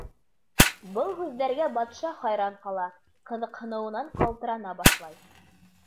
Был һүҙҙәргә батша хайран ҡала, ҡыҙыҡһыныуынан ҡалтырана башлай.